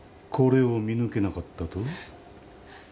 これを見抜けなかったと？